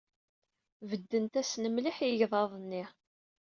Beddent-asen mliḥ i yegḍaḍ-nni.